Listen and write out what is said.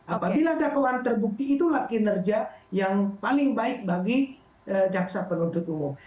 apabila dakwaan terbukti itulah kinerja yang paling baik bagi jaksa penuntut umum